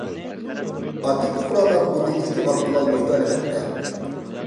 ئاددىي پۇقرالار بۇنى ئىستېمال قىلالمايدۇ، ئەلۋەتتە.